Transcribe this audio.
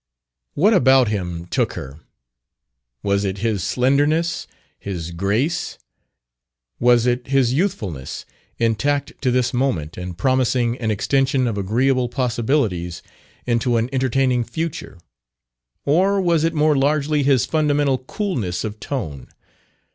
What about him "took" her? Was it his slenderness, his grace? Was it his youthfulness, intact to this moment and promising an extension of agreeable possibilities into an entertaining future? Or was it more largely his fundamental coolness of tone?